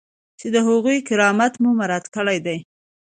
چې د هغوی کرامت مو مراعات کړی دی.